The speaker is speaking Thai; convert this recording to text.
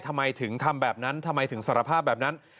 ทำไมถึงทำแบบนั้นทำไมถึงสารภาพแบบนั้น